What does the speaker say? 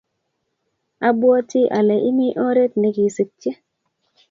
abawatii ale imii oret nekiskyi.